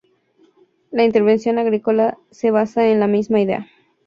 La intervención agrícola se basa en la misma idea.